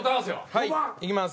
はいいきます。